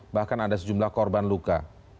bahkan ada sejumlah korban luka